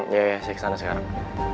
iya ya saya kesana sekarang